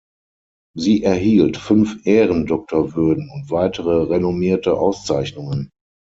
Sie erhielt fünf Ehrendoktorwürden und weitere renommierte Auszeichnungen.